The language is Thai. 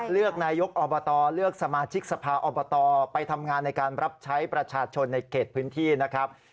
เลือกนายกอบตเลือกสมาชิกสภาอบตไปทำงานในการรับใช้ประชาชนในเขตพื้นที่นะครับ